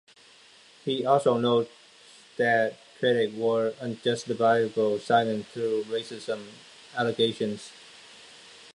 He also notes that critics were unjustifiably silenced through racism allegations.